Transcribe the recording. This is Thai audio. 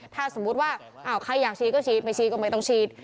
ถ้าสมมุติว่าใครอยากฉีดก็ฉีดไม่ฉีดก็ไม่ต้องฉีด